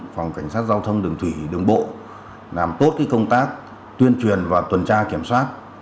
phòng cảnh sát giao thông đường thủy đường bộ làm tốt công tác tuyên truyền và tuần tra kiểm soát